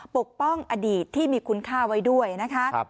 ปกป้องอดีตที่มีคุณค่าไว้ด้วยนะคะ